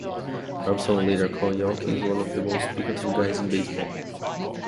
Robinson would later call Yawkey "one of the most bigoted guys in baseball".